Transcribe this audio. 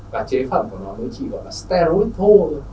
và chế phẩm của nó mới chỉ gọi là starlin thô thôi